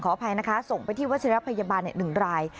อภัยนะคะส่งไปที่วัชิระพยาบาล๑ราย